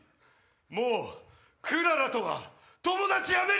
もうクララとは友達やめる！